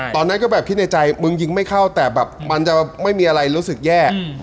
ตอนนั้นก็แบบคิดในใจมึงยิงไม่เข้าแต่แบบมันจะไม่มีอะไรรู้สึกแย่